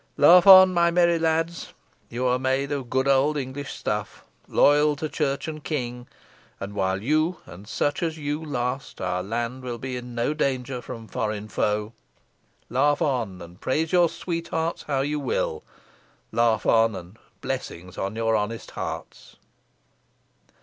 Laugh on, my merry lads, you are made of good old English stuff, loyal to church and king, and while you, and such as you, last, our land will be in no danger from foreign foe! Laugh on, and praise your sweethearts how you will. Laugh on, and blessings on your honest hearts!